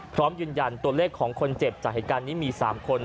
พร้อมยืนยันตัวเลขของคนเจ็บจากเหตุการณ์นี้มี๓คน